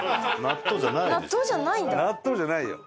納豆じゃないよ。